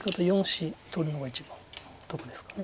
４子取るのが一番得ですか。